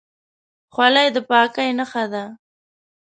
خولۍ د پاکۍ نښه ده.